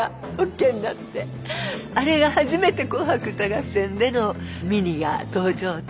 あれが初めて「紅白歌合戦」でのミニが登場という。